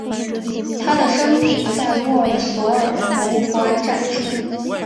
他的生平在沃尔索尔博物馆展出。